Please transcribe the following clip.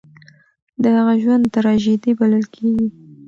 د هغه ژوند تراژيدي بلل کېږي.